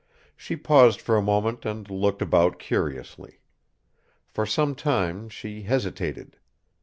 She paused for a moment and looked about curiously. For some time she hesitated.